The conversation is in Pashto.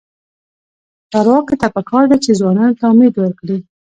چارواکو ته پکار ده چې، ځوانانو ته امید ورکړي.